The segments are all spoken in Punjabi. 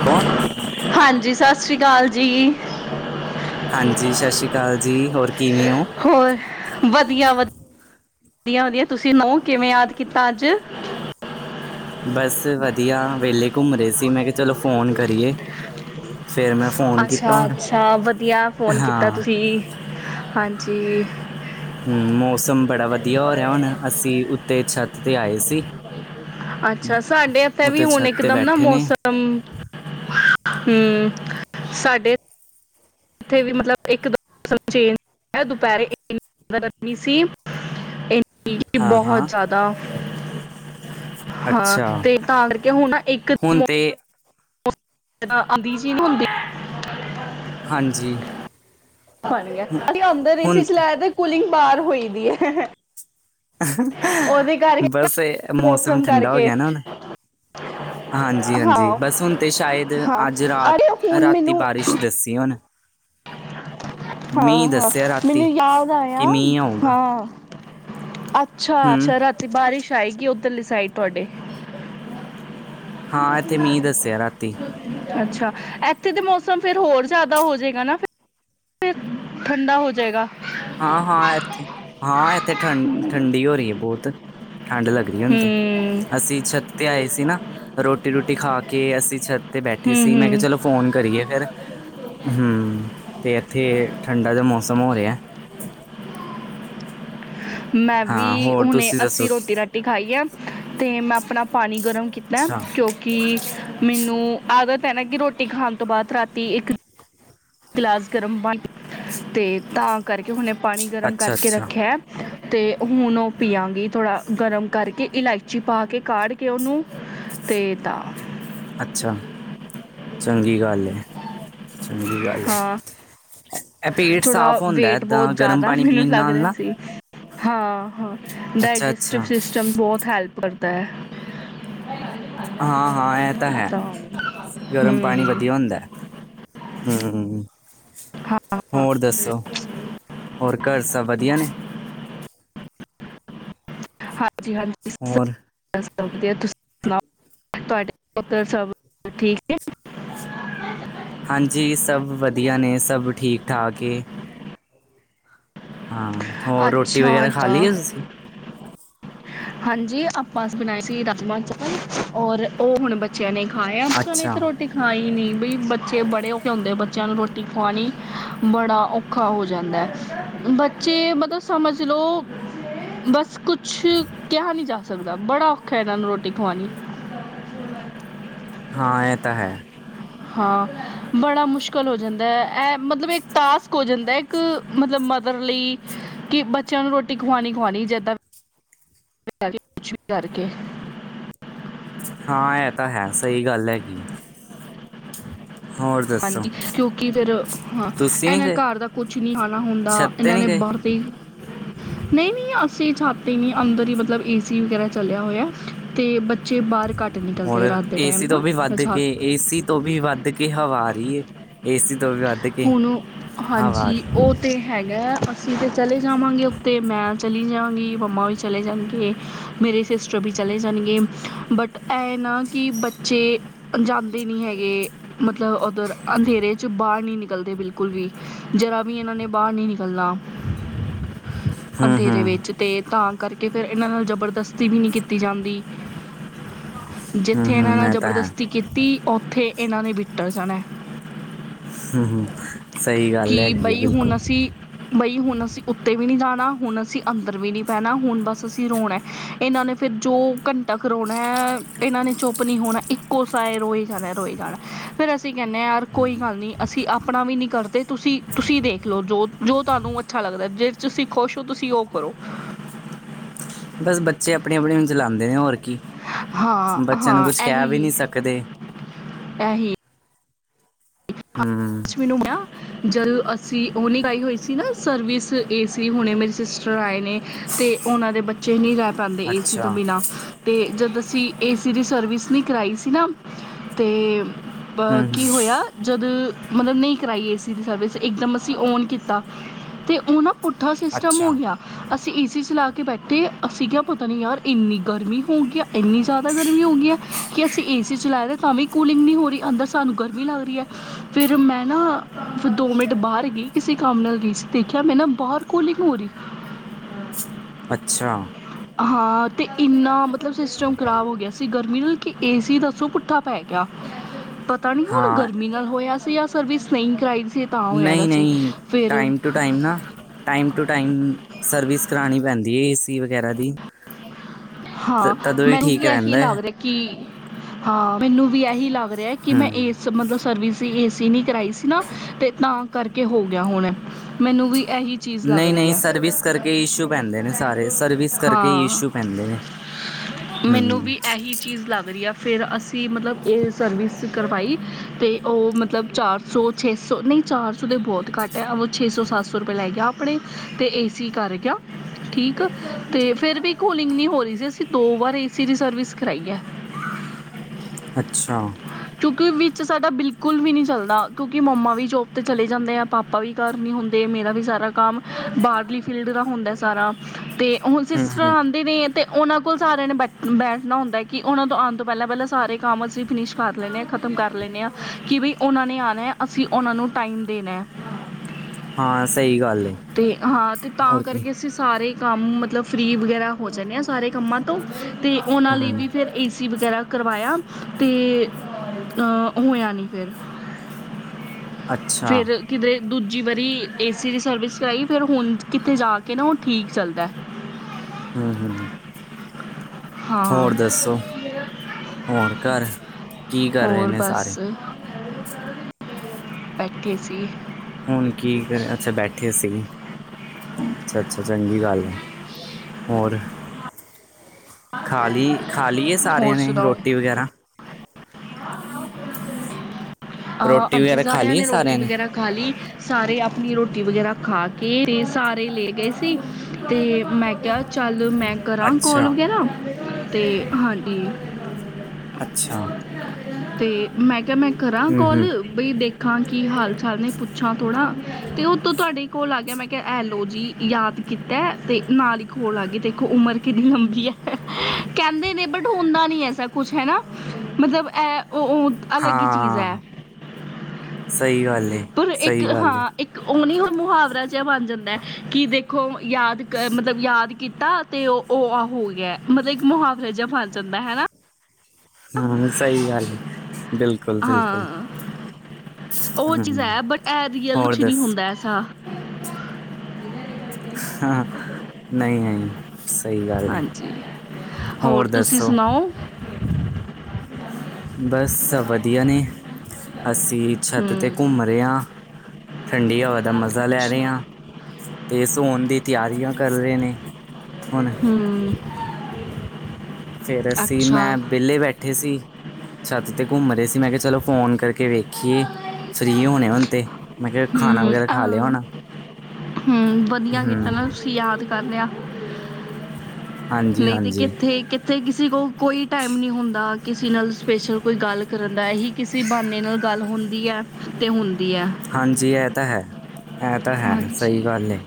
ਫ ਹਾਂਜੀ, ਸਤਿ ਸ੍ਰੀ ਅਕਾਲ ਜੀ। ਹਾਂਜੀ, ਸਤਿ ਸ਼੍ਰੀ ਅਕਾਲ ਜੀ। ਹੋਰ ਕਿਵੇਂ ਹੋ? ਹੋਰ ਵਧੀਆ ਵਧੀਆ ਵਧੀਆ ਵਧੀਆ ਤੁਸੀਂ ਨਓ ਕਿਵੇਂ ਯਾਦ ਕੀਤਾ ਅੱਜ ਬਸ ਵਧੀਆ ਵੇਹਲੇ ਘੁੰਮ ਰਹੇ ਸੀ ਮੈਂ ਕਿਹਾ ਚਲੋ ਫੋਨ ਕਰੀਏ ਫੇਰ ਮੈਂ ਫੋਨ ਕੀਤਾ ਅੱਛਾ ਹੁਣ ਅੱਛਾ ਵਧੀਆ ਫੋਨ ਕੀਤਾ ਹਾਂ ਤੁਸੀਂ ਹਾਂਜੀ ਹਮ ਮੌਸਮ ਬੜਾ ਵਧੀਆ ਹੋ ਰਿਹਾ ਹੁਣ ਅਸੀਂ ਉੱਤੇ ਛੱਤ ਤੇ ਆਏ ਸੀ ਅੱਛਾ ਸਾਡੇ ਇੱਥੇ ਵੀ ਉਤੇ ਹੁਣ ਛੱਤ ਤੇ ਇਕਦਮ ਨਾ ਬੈਠੇ ਨੇ ਮੌਸਮ ਹਮ ਸਾਡੇ ਇੱਥੇ ਵੀ ਮਤਲਬ ਇੱਕ ਦਮ ਮੌਸ ਮ ਚੇਂਜ [unintelligible] ਦੁਪੈਰੇ ਸੀ ਇ [unintelligible] ਹਾਂ ਬਹੁਤ ਹਾਂ ਜ਼ਿਆਦਾ ਅੱਛਾ ਹਾਂ ਤੇ ਤਾਂ ਕਰਕੇ ਹੁਣ ਇੱਕ ਹੁਣ ਤੇ ਅ ਜੀ ਹੁੰਦੇ ਹਾਂਜੀ ਹ ਹੁ- ਅਸੀਂ ਅੰਦਰ ਏ ਸੀ ਚਲਇਆ ਦਾ ਤੇ ਕੂਲਿੰਗ ਬਾਹਰ ਹੋਈ ਦੀ ਹੈ ਉਹਦੇ ਕਰਕੇ ਬਸ ਮੌਸਮ ਠੰਡਾ ਹੋ ਗਿਆ ਨਾ ਹੁਣ ਹਾਂਜੀ ਹਾਂਜੀ ਹਾਂ ਬਸ ਹੁਣ ਤੇ ਸ਼ਾਇਦ ਹਾਂ ਅੱਜ ਰਾਤ ਅਰੇ ਹੁਣ ਰਾਤੀ ਮੈਨੂੰ ਬਾਰਿਸ਼ ਦੱਸੀ ਕਿ ਹਨ ਹਾਂ ਹਾਂ ਮੈਨੂੰ ਯਾਦ ਆਇਆ ਕਿ ਮੀਂਹ ਆਊਗਾ ਹਾਂ ਅੱਛਾ ਹੂੰ, ਅੱਛਾ ਰਾਤੀ ਬਾਰਿਸ਼ ਆਏਗੀ ਉੱਧਰਲੀ ਸਾਈਡ ਤੁਹਾਡੇ ਹਾਂ ਐਥੇ ਮੀਂਹ ਦੱਸਿਆ ਰਾਤੀ ਅੱਛਾ ਐਥੇ ਤੇ ਮੌਸਮ ਫੇਰ ਹੋਰ ਜ਼ਿਆਦਾ ਹੋਜਏਗਾ ਨਾ ਫਿਰ, ਠੰਡਾ ਹੋ ਜਾਏਗਾ। ਹਾਂ -ਹਾਂ ਇੱਥੇ ਹਾਂ ਇੱਥੇ ਠੰ ਠੰਡੀ ਹੋ ਰਹੀ ਹੈ ਬੋਤ ਠੰਢ ਲੱਗ ਹੁੰ ਹੂੰ ਅਸੀਂ ਛੱਤ ਤੇ ਆਏ ਸੀ ਨਾ, ਰੋਟੀ ਰੂਟੀ ਖਾ ਕੇ ਅਸੀਂ ਛੱਤ ਤੇ ਬੈਠੇ ਹੂੰ ਸੀ, ਮੈਂ ਕਿਹਾ ਹੂੰ ਚਲੋ ਫੋਨ ਕਰੀਏ ਫਿਰ ਹਮ ਤੇ ਇੱਥੇ ਠੰਡਾ ਜਿਹਾ ਮੌਸਮ ਹੋ ਰਿਹਾ। ਮੈਂ ਵੀ ਹਾਂ ਹੋਰ ਹੁਣੇ ਤੁਸੀਂ ਦੱਸੋ? ਅੱਸੀ ਰੋਟੀ ਰਾਟੀ ਰਾਟੀ ਖਾਈਏ, ਤੇ ਮੈਂ ਆਪਣਾ ਪਾਣੀ ਗਰਮ ਕੀਤਾ। ਅੱਛਾ, ਕਿ ਮੈਨੂੰ ਆਦਤ ਹੈ ਨਾ, ਕਿ ਰੋਟੀ ਖਾਣ ਤੋਂ ਬਾਅਦ ਰਾਤੀ ਇੱਕ ਗਿਲਾਸ ਗਰਮ ਪਾਣੀ ਅਤੇ ਤਾਂ ਕਰਕੇ ਹੁਣੇੇ ਪਾਣੀ ਗਰਮ ਕਰਕੇ ਅੱਛਾ-ਅੱਛਾ, ਅੱਛਾ ਰੱਖਿਆ ਤੇ ਹੁਣ ਉਹ ਪੀਆਂਗੀ ਥੋੜਾ ਗਰਮ ਕਰਕੇ ਇਲਾਇਚੀ ਪਾ ਕੇ ਕਾੜ ਕਿ ਓਹਨੂੰ ਤੇ ਤਾਂ। ਅੱਛਾ, ਚੰਗੀ ਗੱਲ ਹੈ -ਚੰਗੀ ਗੱਲ ਹੈ? ਹਾਂ ਥੋੜ੍ਹਾ ਵੇਟ ਬੋਤ ਗਰਮ ਜ਼ਿਆਦਾ ਪਾਣੀ ਮੈਨੂੰ ਪੀਣ ਲੱਗ ਨਾਲ ਰਿਹਾ ਨਾ। ਸੀ। ਹਾਂ -ਹਾਂ ਡਾਇਜਸਟਿਵ ਅੱਛਾ-ਅੱਛਾ, ਸਿਸਟਮ ਬਹੁਤ ਹੈਲਪ ਕਰਦਾ ਹੈ ਹਾਂ -ਹਾਂ ਇਹ ਤਾਂ ਹੈ, ਗਰਮ ਪਾਣੀ ਹਮ ਵਧੀਆ ਹੁੰਦਾ ਹਮ ਹਾਂ ਹਾਂ ਹੋਰ ਦੱਸੋ? ਹੋਰ ਘਰ ਸਭ ਵਧੀਆ ਨੇ? ਹਾਂਜੀ -ਹਾਂਜੀ ਹੋਰ ਵਧੀਆ ਤੁਸੀਂ ਸੁਣਾਓ ਤੁਹਾਡੇ ਉਧਰ ਸਭ ਠੀਕ ਨੇ? ਹਾਂਜੀ, ਸਭ ਵਧੀਆ ਨੇ, ਸਭ ਠੀਕ ਠਾਕ ਏ। ਹਾਂ, ਹੋਰ ਰੋਟੀ ਅੱਛਾ ਵਗੈਰਾ ਖਾ ਅੱਛਾ ਲਈਏ ਤੁਸੀਂ? ਹਾਂਜੀ, ਆਪਾਂ ਅਜ ਬਣਾਏ ਸੀ ਰਾਜਮਾ ਚਾਵਲ ਔਰ ਉਹ ਹੁਣ ਖਾਏ ਆ ਮ ਚ ਨਹੀਂ ਅੱਛਾ ਤਾਂ ਰੋਟੀ ਖਾਈ ਨਹੀਂ ਬ ਬੱਚੇ ਬੜੇ ਔ ਖੇ ਹੁੰਦੇ ਬੱਚਿਆਂ ਨੂੰ ਰੋਟੀ ਖਵਾਣੀ ਬੜਾ ਔਖਾ ਹੋ ਜਾਂਦਾ ਹੈ, ਬੱਚੇ ਦੋਂ ਸਮਝ ਲਓ, ਬਸ ਕੁੱਛ ਕਿਹਾ ਨੀ ਜਾ ਸਕਦਾ, ਬੜਾ ਔਖਾ ਐਂ, ਇਹਨਾਂ ਨੂੰ ਰੋਟੀ ਖਵਾਣੀ। ਹਾਂ ਇਹ ਤਾਂ ਹੈ। ਹਾਂ, ਬੜਾ ਮੁਸ਼ਕਿਲ ਹੋ ਜਾਂਦਾ, ਐਹ ਮਤਲਬ ਇੱਕ ਟਾਸਕ ਹੋ ਜਾਂਦਾ ਏ। ਇੱਕ ਮਤਲਬ ਮਦਰ ਲਈ ਕਿ ਬੱਚਿਆਂ ਨੂੰ ਰੋਟੀ ਖਵਾਣੀ -ਖਵਾਣੀ ਜਿੱਦਾਂ ਕੁੱਛ ਵੀ ਕਰਕੇ। ਹਾਂ ਐ ਤਾਂ ਹੈ, ਸਹੀ ਗੱਲ ਹੈਗੀ ਹੋਰ ਦੱਸੋ ਹਾਂਜੀ, ਕਿਉਂਕਿ ਫਿਰ, ਹਾਂ ਤੁਸੀਂ ਨੀ ਇਹਨਾਂ ਗਏ ਘਰ ਦਾ ਕੁੱਛ ਨੀ ਖਾਣਾਂ ਹੁੰਦਾ, ਛੱਤ ਤੇ ਇਹਨਾਂ ਨਹੀਂ ਨੇ ਗਏ ਬਾਹਰ ਨਹੀਂ -ਨਹੀਂ ਅਸੀਂ ਛੱਤ ਤੇ ਨੀ ਅੰਦਰ ਹੀ ਮਤਲਬ ਏਸੀ ਵਗੈਰਾ ਚਲਿਆ ਹੋਇਆ। ਤੇ ਬੱਚੇ ਬਾਹਰ ਘੱਟ ਨਿਕਲਦੇ ਹੋਰ ਰਾਤ ਦੇ ਟਾਇਮ ਏਸੀ ਤੋਂ ਨਾ, ਵੀ ਵੱਧ ਕੁੱਛ ਹਾਂ ਕੇ ਏਸੀ ਤੋਂ ਵੀ ਵੱਧ ਕੇ ਹਵਾ ਆ ਰੀ ਏ, ਏਸੀ ਤੋਂ ਵੀ ਵੱਧ ਕੇ ਹੁਣੋ, ਹਵਾ ਆ ਹਾਂਜੀ ਰਹੀ ਹੈ ਉਹ ਤੇ ਹੈਗਾ, ਅਸੀਂ ਤਾਂ ਚਲੇ ਜਾਵਾਂਗੇ ਉੱਤੇ ਮੈਂ ਚਲੀ ਜਾਵਾਂਗੀ ਮੰਮਾ ਵੀ ਚਲੇ ਜਾਣਗੇ, ਮੇਰੇ ਸਿਸਟਰ ਵੀ ਚਲੇ ਜਾਣਗੇ, ਬਟ ਐਹ ਨਾ ਕਿ ਬੱਚੇ ਜਾਂਦੇ ਨੀ ਹੈਗੇ, ਮਤਲਬ ਉੱਧਰ ਅੰਧੇਰੇ ਚ ਬਾਹਰ ਨੀ ਨਿਕਲ ਨਿਕਲਦੇ ਬਿਲਕੁਲ ਵੀ, ਜਰਾ ਵੀ ਇਹਨਾਂ ਨੇ ਬਾਹਰ ਨੀ ਨਿਕਲਣਾ। ਹੂੰ ਅੰਧੇਰੇ ਹੂੰ ਵਿੱਚ। ਤੇ, ਤਾਂ ਕਰਕੇ ਫਿਰ ਇਹਨਾਂ ਨਾਲ਼ ਜ਼ਬਰਦਸਤੀ ਵੀ ਨੀ ਕੀਤੀ ਜਾਂਦੀ। ਹੂੰ ਜਿੱਥੇ ਇਹਨਾਂ ਹੂੰ ਨਾਲ਼ ਇਹ ਤਾਂ ਹੈ। ਜਬਰਦਸਤੀ ਕੀਤੀ, ਉੱਥੇ ਇਹਨਾਂ ਨੇ ਵਿਟਰ ਜਾਣਾ। ਹੂੰ -ਹੂੰ ਸਹੀ ਕਿ ਗੱਲ ਹੈਗੀ ਐ, ਬਈ ਹੁਣ ਬਿਲਕੁਲ। ਅਸੀਂ ਬਈ ਹੁਣ ਅਸੀਂ ਉੱਤੇ ਵੀ ਨੀਂ ਜਾਣਾ, ਹੁਣ ਅਸੀਂ ਅੰਦਰ ਵੀ ਨੀ ਪੈਣਾ, ਹੁਣ ਬਸ ਅਸੀਂ ਰੋਣਾ‌ ਐ। ਇਹਨਾਂ ਨੇ ਫਿਰ ਜੋ ਘੰਟਾ ਕ ਰੋਣਾ ਇਹਨਾਂ ਨੇ ਚੁੱਪ ਨੀ ਹੋਣਾ ਇੱਕੋ ਸਾਏ ਰੋਏ ਜਾਣਾ- ਰੋਏ ਜਾਣਾ। ਫ਼ੇਰ ਅਸੀਂ ਕਹਿੰਨੇ ਆ, ਯਾਰ ਕੋਈ ਗੱਲ ਨੀ ਅਸੀਂ ਆਪ ਆਪਣਾਂ ਵੀ ਨੀਂ ਕਰਦੇ ਤੁਸੀਂ -ਤੁਸੀਂ ਦੇਖਲੋ ਜੋ -ਜੋ ਤੁਹਾਨੂੰ ਅੱਛਾ ਲੱਗਦਾ, ਜੇ ਤੁਸੀਂ ਖੁਸ਼ ਹੋ ਤੁਸੀਂ ਉਹ ਕਰੋ ਬਸ, ਬੱਚੇ ਆਪਣੀਂ -ਆਪਣੀਂ ਹੁਣ ਚਲਾਦੇ ਨੇ ਹੋਰ ਕੀ, ਹਾਂ ਬੱਚਿਆਂ ਨੂੰ ਕੁਛ ਕਹਿ ਵੀ ਨੀ ਸਕਦੇ। ਐਹੀ ਹੂੰ [unintelligible] ਜਦੋਂ ਅਸੀਂ ਉਹ ਨੀ ਕਰਾਈ ਹੋਈ ਸੀ ਨਾ ਸਰਵਿਸ, ਏਸੀ ਹੁਣੇ ਮੇਰੇ ਸਿਸਟਰ ਆਏ ਨੇ ਤੇ ਉਹਨਾਂ ਦੇ ਬੱਚੇ ਨੀਂ ਰਹਿ ਪਾਂਦੇ, ਏਸੀ ਅੱਛਾ ਤੋਂ ਬਿਨਾਂ ਤੇ ਜਦ ਅਸੀਂ ਏਸੀ ਦੀ ਸਰਵਿਸ ਨੀ ਕਰਾਈ ਸੀ ਨਾ ਤੇ ਆ, ਹੂੰ ਹੂੰ ਕੀ ਹੋਇਆਂ ਜਦ ਮਤਲਬ ਨਹੀਂ ਕਰਾਈ ਏਸੀ ਦੀ ਸਰਵਿਸ, ਇੱਕਦਮ ਅਸੀਂ ਔਨ ਕੀਤਾ ਤੇ ਉਹ ਨਾ ਪੁੱਠਾ ਸਿਸਟਮ ਅੱਛਾ ਹੋਗਿਆ। ਅਸੀਂ ਏਸੀ ਚਲਾ ਕੇ ਬੈਠੇ, ਅਸੀਂ ਕਿਹਾ ਪਤਾ ਨੀ ਯਾਰ ਏਨੀਂ ਗਰਮੀਂ ਹੋਗੀ ਆ। ਏਨੀ ਜ਼ਿਆਦਾ ਗਰਮੀ ਹੋ ਗਈ ਹੈ ਕਿ ਅਸੀਂ ਏ ਸੀ ਚਲਾਇਆ ਦਾ ਤਾਂ ਵੀ ਕੂਲਿੰਗ ਨੀਂ ਹੋ ਰੀ। ਅੰਦਰ ਸਾਨੂੰ ਗਰਮੀ ਲੱਗ ਰੀ ਐ। ਫਿਰ ਮੈਂ ਨਾ ਫਿਰ ਦੋ ਮਿੰਟ ਬਾਹਰ ਗਈ। ਕਿਸੇ ਕੰਮ ਨਾਲ ਗਈ ਸੀ, ਦੇਖਿਆ ਮੈਂ ਨਾ ਬਾਹਰ ਕੂਲਿੰਗ ਹੋ ਰੀ ਅੱਛਾ। ਹਾਂ ਤੇ ਇੰਨਾ ਮਤਲਬ ਸਿਸਟਮ ਖ਼ਰਾਬ ਹੋ ਗਿਆ ਸੀ, ਗਰਮੀ ਨਾਲ ਕਿ ਏਸੀ ਦੱਸੋ ਪੁੱਠਾ ਪੈ ਗਿਆਂ, ਪਤਾ ਨੀ ਹੁਣ ਹਾਂ ਗਰਮੀ ਨਾਲ ਹੋਇਆ ਸੀ, ਜਾਂ ਸਰਵਿਸ ਨਹੀਂ ਕਰਾਈ ਸੀ ਤਾਂ ਹੋਇਆ ਦਾ ਨਹੀਂ ਸੀ -ਨਹੀਂ‌ ਫਿਰ ਟਾਇਮ ਟੂ ਟਾਇਮ ਨਾ ਟਾਇਮ ਟੂ ਟਾਇਮ ਸਰਵਿਸ ਕਰਾਣੀ ਪੈਂਦੀ ਐਂ, ਏਸੀ ਵਗ਼ੈਰਾ ਦੀ ਤੇ ਹਾਂ ਤਦ ਵੀ ਮੈਨੂੰ ਠੀਕ ਇਹੀ ਰਹਿੰਦਾ ਏਂ। ਲੱਗ ਰਿਹਾ ਕਿ ਹਾਂ, ਮੈਨੂੰ ਵੀ ਐਹੀ ਲੱਗ ਰਿਆ ਕਿ ਮੈਂ ਹੂੰ ਏਸ ਮਤਲਬ ਸਰਵਿਸ ਏਸੀ ਨੀ ਕਰਾਈ ਸੀ ਨਾ ਤੇ ਤਾਂ ਕਰਕੇ ਹੋ ਗਿਆ ਹੋਣਾ, ਮੈਨੂੰ ਵੀ ਐਹੀ ਨਹੀਂ -ਨਹੀਂ ਸਰਵਿਸ ਕਰਕੇ ਇਸ਼ੂ ਪੈਂਦੇ ਨੇ ਸਾਰੇ, ਸਰਵਿਸ ਕਰਕੇ ਹੀ ਹਾਂ ਇਸ਼ੂ ਪੈਂਦੇ ਨੇ ਮੈਨੂੰ ਵੀ ਹੂੰ ਇਹੀ, ਚੀਜ਼ ਲੱਗ ਰਹੀ ਆ, ਫਿਰ ਅਸੀਂ ਮਤਲਬ ਇਹ ਸਰਵਿਸ ਕਰਵਾਈ ਤੇ ਉਹ ਮਤਲਬ ਚਾਰ ਸੌ ਛੇ ਸੌ ਨਹੀਂ, ਚਾਰ ਸੌ ਤਾਂ ਬਹੁਤ ਘੱਟ ਆ। ਉਹ ਛੇ ਸੌ -ਸੱਤ ਸੌ ਰੁਪਏ ਲੈ ਗਿਆ ਆਪਣੇ, ਤੇ ਏ ਸੀ ਕਰ ਗਿਆ ਠੀਕ ਤੇ ਫਿਰ ਵੀ ਕੂਲਿੰਗ ਨੀ ਹੋ ਰਹੀ ਸੀ, ਅਸੀਂ ਦੋ ਵਾਰ ਏਸੀ ਦੀ ਸਰਵਿਸ ਕਰਾਈ ਐਂ। ਅੱਛਾ! ਕਿਉਂਕਿ ਵਿੱਚ ਸਾਡਾ ਬਿਲਕੁਲ ਵੀ ਨਹੀਂ ਚੱਲਦਾ, ਕਿਉਂਕਿ ਮੰਮਾ ਵੀ ਜੋਬ ਤੇ ਚਲੇ ਜਾਂਦੇ ਆ ਪਾਪਾ ਪਾਪਾ ਵੀ ਘਰ ਨੀ ਹੁੰਦੇ। ਮੇਰਾ ਵੀ ਸਾਰਾ ਕੰਮ ਬਾਹਰਲੀ ਫੀਲਡ ਦਾ ਹੁੰਦਾ ਸਾਰਾ, ਤੇ ਹੁਣ ਹੂੰ ਸਿਸਟਰ, ਵੈ, ਉਹਨਾਂ ਕੋਲ ਸਾਰਿਆਂ ਨੇ ਬੈਠ ਬੈਠਣਾ ਹੁੰਦਾ ਕਿ ਉਹਨਾਂ ਤੋਂ ਆਣ ਤੋਂ ਪਹਿਲਾਂ -ਪਹਿਲਾਂ ਸਾਰੇ ਕੰਮ ਅਸੀਂ ਫਿਨਿਸ਼ ਕਰ ਲੈਂਣੇ ਹਾਂ ਖਤਮ ਕਰ ਲੈਂਣੇ ਹਾਂ, ਕਿ ਬਈ ਉਹਨਾਂ ਨੇ ਆਣਾ ਹੈ, ਅਸੀਂ ਉਹਨਾਂ ਨੂੰ ਟਾਈਮ ਦੇਣੇ ਹਾਂ, ਸਹੀ ਗੱਲ ਏ, ਅਤੇ ਹਾਂ ਅਤੇ ਤਾਂ ਹੋਰ ਕੀ ਕਰਕੇ ਅਸੀਂ ਸਾਰੇ ਕੰਮ ਮਤਲਬ ਫਰੀ ਵਗੈਰਾ ਹੋ ਜਾਂਨੇ ਆ ਸਾਰੇ ਕੰਮਾਂ ਤੋਂ ਤੇ ਉਹਨਾਂ ਲਈ ਹੂੰ, ਵੀ ਫਿਰ ਈ ਸੀ ਵਗੈਰਾ ਕਰਵਾਇਆ ਤੇ ਅਹ ਹੋਇਆ ਨੀ ਫਿਰ, ਅੱਛਾ ਫਿਰ ਕਿਤੇ ਦੂਜੀ ਵਾਰੀ ਏ ਸੀ ਦੀ ਸਰਵਿਸ ਕਰਾਈ ਫਿਰ ਹੁਣ, ਕਿਤੇ ਜਾ ਕੇ ਨਾ ਉਹ ਠੀਕ ਚੱਲਦਾ। ਹਮ, ਹਮ। ਹਾਂ ਹੋਰ ਦੱਸੋ? ਹੋਰ ਘਰ ਕੀ ਕਰ ਰਹੇ ਹੋਰ ਨੇ ਬਸ ਸਾਰੇ? ਬੈਠੇ ਸੀ। ਹੁਣ ਕੀ ਕ ਅੱਛਾ, ਬੈਠੇ ਸੀ। ਅੱਛਾ, ਅੱਛਾ ਚੰਗੀ ਗੱਲ ਏ, ਹੋਰ! ਖਾ ਲਈ, ਖਾ ਲਈ ਏ ਸਾਰਿਆਂ ਹੋਰ ਨੇ ਸੁਣਾਓ ਰੋਟੀ ਵਗੈਰਾ? ਅਹ ਰੋਟੀ ਹਾਂਜੀ ਵਗੈਰਾ ਖਾ ਲਈ ਏ ਰੋਟੀ ਸਾਰਿਆਂ ਨੇ? ਵਗੈਰਾ ਖਾ ਲਈ, ਸਾਰੇ ਆਪਣੀ ਰੋਟੀ ਵਗੈਰਾ ਖਾ ਕੇ, ਤੇ ਸਾਰੇ ਲੈ ਗਏ ਸੀ ਤੇ ਮੈ ਕਿਆ ਚੱਲ ਮੈਂ ਕਰਾਂ ਕੋਲ ਵਗੈਰਾ ਤੇ ਹਾਂਜੀ। ਅੱਛਾ! ਤੇ ਮੈਂ ਕਿਹਾ, ਮੈਂ ਕਰਾਂ ਕਾਲ ਹੂੰ-ਹੂੰ, ਬਈ ਦੇਖਾਂ ਕੀ ਹਾਲ - ਚਾਲ ਨੇ ਪੁੱਛਾਂ ਥੋੜ੍ਹਾ, ਤੇ ਉਹ ਤੋਂ ਤੁਹਾਡਾ ਹੀ ਕੋਲ ਆ ਗਿਆ ਮੈਂ ਕਿਹਾ ਐਲੋ ਜੀ। ਯਾਦ ਕੀਤਾ ਤੇ ਨਾਲ ਹੀ ਕੋਲ ਆ ਗਈ, 'ਦੇਖੋ ਉਮਰ ਕਿੰਨੀ ਲੰਬੀ ਏ। ਕਹਿੰਦੇ ਨੇ ਬਟ ਹੁੰਦਾ ਨੀ ਐਸਾ ਕੁਛ ਹੈਨਾ, ਮਤਲਬ ਇਹ ਉ ਅਲਗ ਈ ਚੀਜ਼ ਐ। ਹਾਂ ਸਹੀ ਗੱਲ ਏ ਪਰ ਇੱਕ ਸਹੀ ਗੱਲ ਏ ਹਾਂ, ਇੱਕ ਉਂ ਨੀ ਹੁਣ ਮੁਹਾਵਰਾ ਜੇਆ ਬਨ ਜਾਂਦੈ, ਕਿ ਦੇਖੋ ਯਾਦ ਕ ਮਤਲਬ ਯਾਦ ਕੀਤਾ ਤੇ ਓ, ਓ ਆਹ ਹੋ ਗਿਆ। ਮਤਲਬ ਇੱਕ ਮੁਹਾਵਰਾ ਜਾ ਬਨ ਜਾਂਦੈ, ਹੈਨਾ? ਹੂੰ, ਸਈ ਗੱਲ ਏ। ਬਿਲਕੁਲ, ਬਿਲਕੁਲ ਓ ਚੀਜ਼ ਹੈ, ਬਟ ਐ ਰੀਅਲ ਹੋਰ ਕੁੱਛ ਨੀ ਦੱਸ ਹੁੰਦੈ ਐਸਾ। ਹਾਂ, ਨਹੀਂ- ਨਹੀਂ। ਸਈ ਗੱਲ ਏ, ਹਾਂਜੀ ਹੋਰ ਤੁਸੀਂ ਦੱਸੋ? ਸੁਣਾਓ ਬੱਸ ਵਧੀਆ ਨੇ, ਅਸੀ ਛੱਤ ਹੂੰ ਤੇ ਘੁੰਮ ਰੇ ਆਂ, ਠੰਡੀ ਹਵਾ ਦਾ ਮਜ਼ਾ ਲੈ ਰੇ ਅੱਛਾ ਆਂ। ਤੇ ਸੋਨ ਦੀ ਤਿਆਰੀਆਂ ਕਰ ਰੇ ਨੇ, ਹੁਨ। ਹੂੰ। ਫੇਰ ਅਸੀ ਅੱਛਾ ਮੈਂ ਬੇਲੇ ਬੈ ਠੇ ਸੀ, ਛੱਤ ਤੇ ਘੁੰਮ ਰੇ ਸੀ, ਮੈਂ ਕਿਆ ਚਲੋ ਫੋਨ ਕਰਕੇ ਵੇਖੀਏ। ਫ੍ਰੀ ਹੋਣੇ ਹੁਨ ਤੇ, ਮੈਂ ਕਿਆ ਖਾਣਾ ਹੂੰ ਵਗੈਰਾ ਖਾ ਲਿਆ ਅਮ, ਹੋਣਾ। ਹੂੰ, ਵਧੀਆ ਕੀਤਾ ਹੂੰ ਨਾ ਤੁਸੀ, ਯਾਦ ਕਰ ਲਿਆ। ਹਾਂਜੀ ਨਹੀ ਤੇ ਹਾਂਜੀ ਕਿੱਥੇ ਕਿ ਥੇ ਕਿਸੇ ਕੋਲ ਕੋਈ ਟੈਮ ਨੀ ਹੁੰਦਾ ਕਿਸੀ ਨਾਲ ਸਪੈਸ਼ਲ ਕੋਈ ਗੱਲ ਕਰਨ ਦਾ ਐਹੀ ਕਿਸੀ ਬ੍ਹਾਨੇ ਨਾਲ ਗੱਲ ਹੁੰਦੀ ਐ, ਤੇ ਹੁੰਦੀ ਐ। ਹਾਂਜੀ, ਐ ਤਾ ਹੈ, ਐ ਤਾ ਹੈ ਹਾਂਜੀ ਸਈ ਗਾੱਲ ਏ,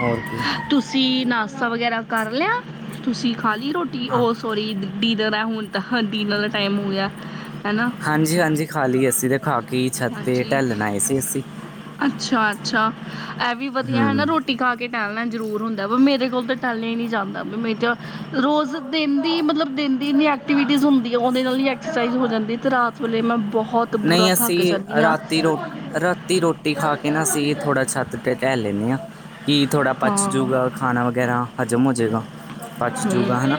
ਹੋਰ ਕੀ। ਤੂਸੀ ਨਾਸਤਾ ਵਗੈਰਾ ਕਾਰ ਲੇਆ, ਤੂਸੀ ਖਾਲੀ ਰੋਟੀ ਹਾਂ ਓਸ ਸੋਰੀ ਡਿਨਰ ਹੈ ਹੁਨ ਤਾਂ, ਡਿਨਰ ਦਾ ਟਾਈਮ ਹੋ ਗੇਆ, ਹੈਨਾ? ਹਾਂਜੀ, ਹਾਂਜੀ ਖਾਲੀ ਅੱਸੀ ਤੇ ਖਾ ਕੇ ਈ ਛਾੱਤ ਤੇ ਹਾਂਜੀ ਟੈਲੱਨ ਆਏ ਸੀ ਅਸੀ। ਅੱਛਾ, ਅੱਛਾ ਐ ਵੀ ਵਦੀਆ ਹੈਨਾ ਨਾ ਹੂੰ ਰੋਟ ਟੀ ਖਾ ਕੇ ਟੈਹਲਨਾ ਜਰੂਰ ਹੁੰਦੈ, ਵ ਮੇਰੇ ਕੋਲ ਤੇ ਟੈਹਲੇਆ ਈ ਨੀ ਜਾਂਦਾ, ਵੀ ਮੇ ਤਾ ਰੋਜ਼ ਦਿਨ ਦੀ ਮਤਲਬ ਦਿਨ ਦੀ ਇੰਨੀ ਐਕਟੀਵਿਟੀਜ਼ ਹੁੰਦੀ ਐ, ਓਂਦੇ ਨਾਲ ਈ ਐਕਸੈਸਾਈਜ਼ ਹੋ ਜਾਂਦੀ, ਤੇ ਰਾਤ ਵੇਲੇ ਮੈਂ ਬੋਹਤ ਤੇ ਬੁਰਾ ਨਹੀਂ ਥ ਅਸੀਂ ਰਾਤੀ ਰੋ, ਰਾਤੀ ਰੋਟੀ ਖਾ ਕੇ ਨਾ ਅਸੀ ਵੀ ਥੋੜਾ ਛਾੱਤ ਤੇ ਟ੍ਹੈਲ ਲੈਂਨੇ ਆਂ। ਕਿ ਥੋੜਾ ਪਚ ਹਾਂ ਜੂਗਾ ਖਾਨਾ ਵਗੈਰਾ ਹਜ਼ਮ ਹੋ ਜੇਗਾ, ਪਚ ਜੂਗਾ ਹੈਨਾ। ਹਮ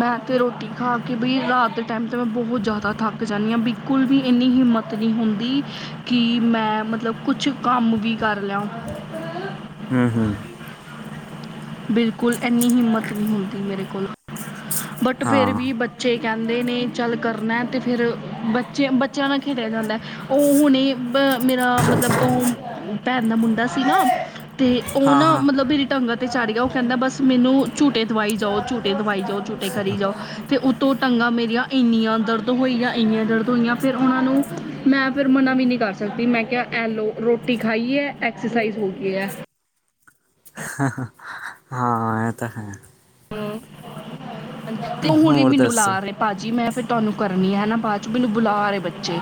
ਮੈਂ ਤੇ ਰੋਟੀ ਖਾ ਕੇ ਬਈ ਰਾਤ ਦੇ ਟੈਮ ਤੇ ਮੈਂ ਬੋਹਤ ਜਾਦਾ ਥਾੱਕ ਕ ਜਾਂਨੀ ਆਂ, ਬਿਕੁਲ ਵੀ ਏਨੀ ਹਿੰਮਤ ਨੀ ਹੁੰਦੀ ਕਿ ਮੈਂ ਮਤਲਬ ਕੁਛ ਕਾੰਮ ਵੀ ਕਾਰ ਲਾਂ। ਹੂੰ, ਹੂੰ। ਬਿਲਕੁਲ ਐਨੀ ਹਿੰਮਤ ਨੀ ਹੁੰਦੀ ਮੇਰੇ ਕੋਲ, ਬਟ ਫੇਰ ਹਾਂ ਵੀ ਬ ਬੱਚੇ ਕੈਂਦੇ ਨੇ ਚੱਲ ਕਰਨੈ, ਤੇ ਫੇਰ ਬੱਚੇ, ਬੱਚੇਆਂ ਨਾਲ ਖੇਡੇਆ ਜਾਂਦੈ। ਓ ਹੁਣੇ ਬਅ ਮੇਰਾ ਮਤਲਬ ਓ ਭੈਨ ਦਾ ਮੁੰਡਾ ਸੀ ਨਾ, ਤੇ ਓ ਹਾਂ ਨਾ ਹਾਂ ਮਤਲਬ ਮੇਰੀ ਟੰਗਾ ਤੇ ਚਾੜ ਗੇਆ, ਓ ਕੈੱਦਾ ਬੱਸ ਮੈਨੂੰ ਝੂਟੇ ਦਵਾਈ ਜਾਓ, ਝੂਟੇ ਦਵਾਈ ਜਾਓ, ਝੂਟੇ ਕਰੀ ਜਾਓ। ਤੇ ਉਤੋਂ ਟੰਗਾਂ ਮੇਰੀਆਂ ਇੰਨੀਆਂ ਦਰਦ ਹੋਈਆਂ, ਇੰਨੀਆਂ ਦਰਦ ਹੋਈਆਂ ਫੇਰ ਓਨਾਂ ਨੂੰ ਮੈਂ ਫਿਰ ਮਨਾ ਵੀ ਨੀ ਕਾਰ ਸਕਦੀ, ਮੈਂ ਕੇਆ ਐਲੋ ਰੋਟੀ ਖਾਈ ਐ, ਐਕਸੇਸਾਈਜ਼ ਹੋ ਗਈ ਐ। ਹਾਂ, ਐ ਤੈ ਹੈ। ਹੂੰ, ਓ ਹੁਣ ਵੀ ਹੋਰ ਮੈਨੂੰ ਬੂਲਾ ਦੱਸੋ ਰੇ। ਭਾਜੀ ਮੈਂ ਫਿਰ ਤੂਆਨੂੰ ਕਰਨੀ ਐ ਹੇਨਾ ਬਾਦ ਚ, ਮੈਨੂੰ ਬੁਲਾ ਰੇ ਬੱਚੇ।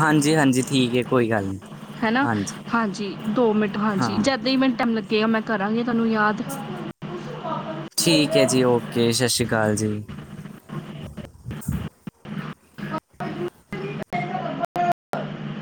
ਹਾਂਜੀ, ਹਾਂਜੀ ਠੀਕੈ, ਕੋਈ ਗਾੱਲ ਨੀ। ਹੇਨਾ, ਹਾਂਜੀ, ਦੋ ਮਿੰਟ ਹਾਂਜੀ, ਹਾਂ ਜੈਦਾਂ ਈ ਮੈਨ ਟੈਮ ਲਗੇਆ, ਮੈਂ ਕਰਾਂਗੀ ਤੂਆਨੂੰ ਯਾਦ। ਠੀਕੈ ਜੀ ਓਕੇ, ਸ਼ਸ਼੍ਰੀ ਕਾਲ ਜੀ। [inaudible]